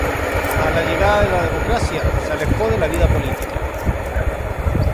A la llegada de la democracia se alejó de la vida política.